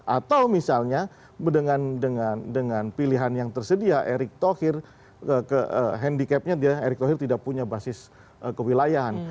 atau misalnya dengan pilihan yang tersedia erick thohir handicapnya dia erick thohir tidak punya basis kewilayahan